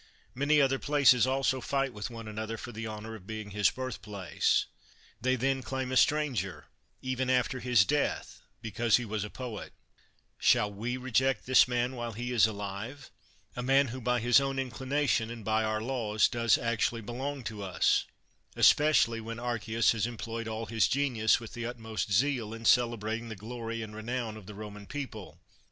Many other places also fight with one another for the honor of being his birthplace. They, then, claim a stranger, even after his death, because he was a poet ; shall we reject this man while he is alive, a man who by his own inclination and by our laws does actually belong to ust especially when Archias has employed all his genius with the utmost zeal in celebrating the glory and renown of the Roman people.